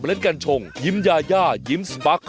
พักโฆษณาเดี๋ยวมากค่ะ